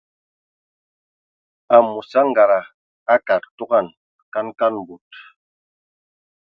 Amos angada akad togan kan kan bod.